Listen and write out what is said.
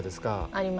あります。